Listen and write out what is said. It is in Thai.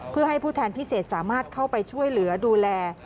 เพื่อให้ผู้แทนพิเศษสามารถเข้าไปช่วยเหลือดูแล